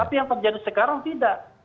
tapi yang terjadi sekarang tidak